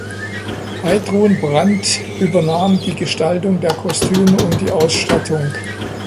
Heidrun Brandt übernahm die Gestaltung der Kostüme und die Ausstattung.